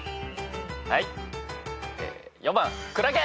はい。